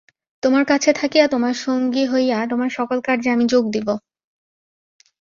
তোমার কাছে থাকিয়া তোমার সঙ্গী হইয়া তোমার সকল কার্যে আমি যোগ দিব।